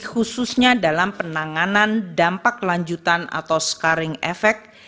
khususnya dalam penanganan dampak lanjutan atau scaring effect